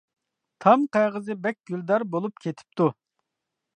تام قەغىزى بەك گۈلدار بولۇپ كېتىپتۇ.